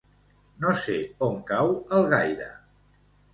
No sé on cau Algaida.